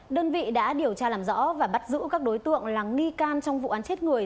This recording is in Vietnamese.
đơn vị đã điều tra làm rõ và bắt giữ các đối tượng là nghi can trong vụ án chết người